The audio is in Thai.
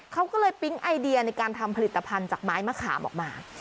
เขาก็เลยปิ๊งไอเดียในการทำผลิตภัณฑ์จากไม้มะขามออกมา